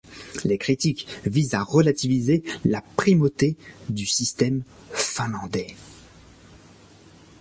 Les critiques visent à relativiser la primauté du système finlandais.